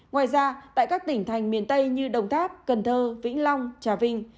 ngoài ra tại các tỉnh thành miền tây như đồng tháp cần thơ vĩnh long trà vinh